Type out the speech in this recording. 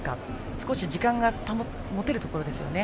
少し時間が持てるところですよね。